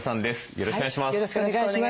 よろしくお願いします。